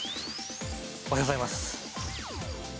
おはようございます。